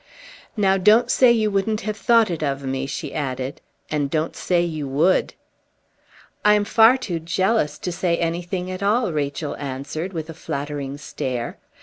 "Now, don't say you wouldn't have thought it of me," she added, "and don't say you would!" "I am far too jealous to say anything at all," Rachel answered with a flattering stare.